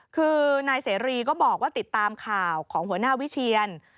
คือนายเสรีก็บอกว่าติดตามข่าวของหัวหน้าวิเชียน